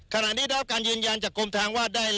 ขณะนี้รับการยืนยัน